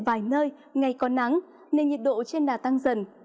vài nơi ngày có nắng nên nhiệt độ trên đà tăng dần